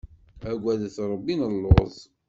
Agadet Rebbi, nelluẓ!